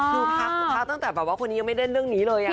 คือพักตั้งแต่แบบว่าคนนี้ยังไม่เล่นเรื่องนี้เลย